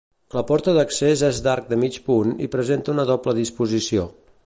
La porta d'accés és d'arc de mig punt i presenta una doble disposició.